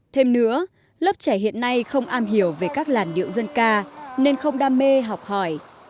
thêm nữa lớp trẻ hiện nay không am hiểu về các làn điệu dân ca nên không đam mê học hỏi